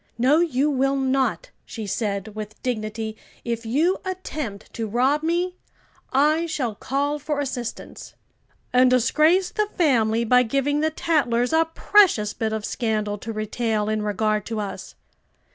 "No, you will not," she said, with dignity. "If you attempt to rob me, I shall call for assistance." "And disgrace the family by giving the tattlers a precious bit of scandal to retail in regard to us."